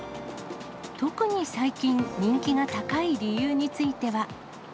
特に最近、人気が高い理由については。